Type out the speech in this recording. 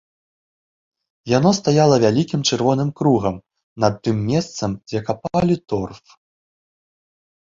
Яно стаяла вялікім чырвоным кругам над тым месцам, дзе капалі торф.